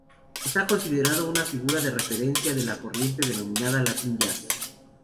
Está considerado una figura de referencia de la corriente denominada latin-jazz.